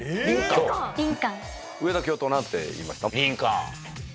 上田教頭何て言いました？